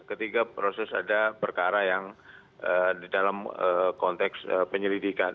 ketiga proses ada perkara yang di dalam konteks penyelidikan